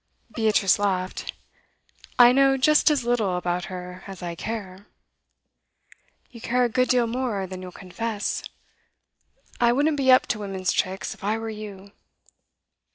Beatrice laughed. 'I know just as little about her as I care.' 'You care a good deal more than you'll confess. I wouldn't be up to women's tricks, if I were you.